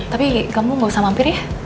tapi kamu gak usah mampir ya